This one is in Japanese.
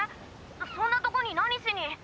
そんなとこに何しに？